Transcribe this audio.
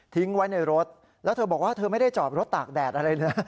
ไว้ในรถแล้วเธอบอกว่าเธอไม่ได้จอดรถตากแดดอะไรนะ